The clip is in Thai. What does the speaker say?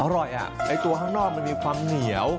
อร่อยตัวข้างนอกมันมีความเหนียว